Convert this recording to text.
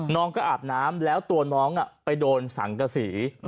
น้องก็อาบน้ำแล้วตัวน้องไปโดนสังกษี